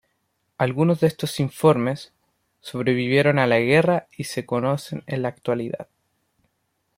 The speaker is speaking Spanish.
Algunos de estos informes, sobrevivieron a la guerra y se conocen en la actualidad.